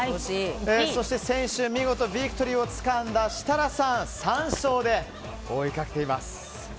そして先週、見事ビクトリーをつかんだ設楽さん３勝で追いかけています。